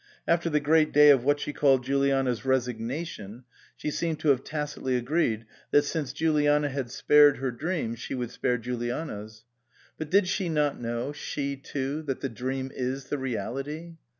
After the great day of what she called Juliana's " resignation " she seemed to have tacitly agreed that since Juliana had spared her dream she would spare Juliana's. Did she not know, she too, that the dream is the reality?